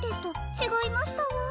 ちがいましたわ。